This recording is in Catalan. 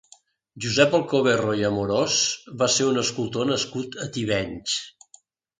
Josep Alcoverro i Amorós va ser un escultor nascut a Tivenys.